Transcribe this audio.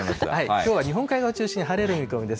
きょうは日本海側を中心に晴れる見込みです。